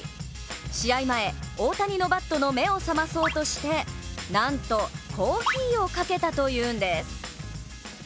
試合前、大谷のバットの目を覚まそうとして、コーヒーをかけたそうです。